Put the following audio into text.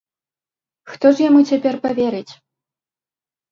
Хто ж яму цяпер паверыць?